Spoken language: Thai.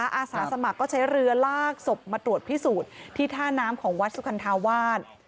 อาสาสมัครก็ใช้เรือลากศพมาตรวจพิสูจน์ที่ท่าน้ำของวัดสุคันธาวาส